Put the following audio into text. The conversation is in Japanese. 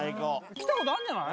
来た事あんじゃない？